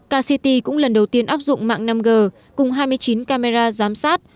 kct cũng lần đầu tiên áp dụng mạng năm g cùng hai mươi chín camera giám sát